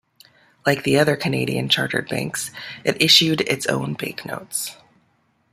Like the other Canadian chartered banks, it issued its own banknotes.